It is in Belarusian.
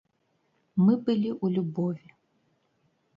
Мы былі ў любові.